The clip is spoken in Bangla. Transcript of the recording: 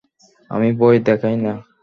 আমি ভয় দেখাই না,?